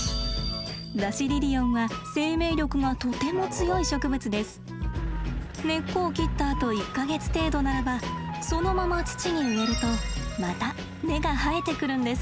ダシリリオンは根っこを切ったあと１か月程度ならばそのまま土に植えるとまた根が生えてくるんです。